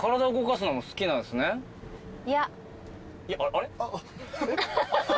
あれ？